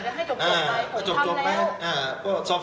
ใช่ให้จบไป